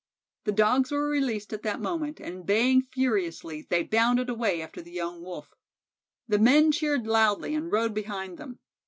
The Dogs were released at that moment, and, baying furiously, they bounded away after the young Wolf. The men cheered loudly and rode behind them.